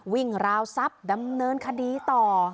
ราวทรัพย์ดำเนินคดีต่อ